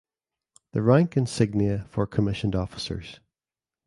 The rank insignia for Commissioned officers.